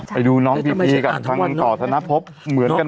ไปดูแน็จม่อน